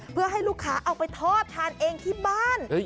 เพื่อให้ลูกค้าเอาไปทอดทานเองที่บ้าน